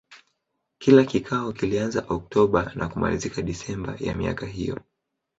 Kila kikao kilianza Oktoba na kumalizika Desemba ya miaka hiyo.